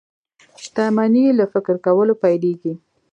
شتمني له فکر کولو پيلېږي.